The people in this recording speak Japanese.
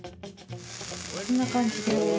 こんな感じです。